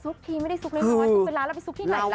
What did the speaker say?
ซุกทีไม่ได้ซุกเลยมันไม่ซุกเป็นล้านเราไปซุกที่ไหนละ